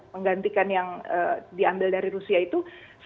menggantikan yang diambil dari rusia itu